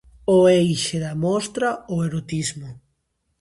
O eixe da mostra, o erotismo.